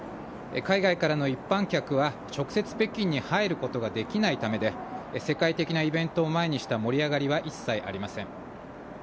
海外からの一般客は直接北京に入ることができないためで、世界的なイベントを前にした盛り上がりは一切ありません。